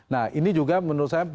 nah ini juga menurut saya